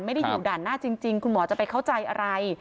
ไม่ได้อยู่ด่านหน้าจริงคุณหมอจะไปเข้าใจอะไร